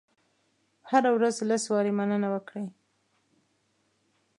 هره ورځ لس وارې مننه وکړئ.